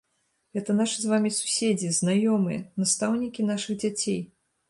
Гэта нашы з вамі суседзі, знаёмыя, настаўнікі нашых дзяцей.